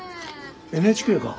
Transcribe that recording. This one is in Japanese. ＮＨＫか。